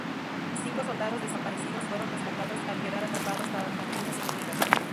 Cinco soldados desaparecidos fueron rescatados al quedar atrapados tras las líneas enemigas.